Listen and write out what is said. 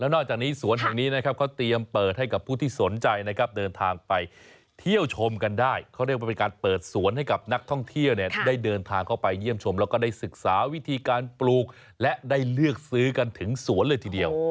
นอกจากนี้สวนแห่งนี้นะครับเขาเตรียมเปิดให้กับผู้ที่สนใจนะครับเดินทางไปเที่ยวชมกันได้เขาเรียกว่าเป็นการเปิดสวนให้กับนักท่องเที่ยวเนี่ยได้เดินทางเข้าไปเยี่ยมชมแล้วก็ได้ศึกษาวิธีการปลูกและได้เลือกซื้อกันถึงสวนเลยทีเดียว